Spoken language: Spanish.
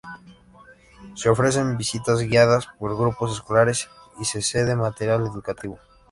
Se ofrecen visitas guiadas por grupos escolares y se cede material educativo.